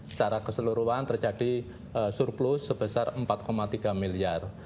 secara keseluruhan terjadi surplus sebesar empat tiga miliar